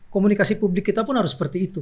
komunikasi publik kita pun harus seperti itu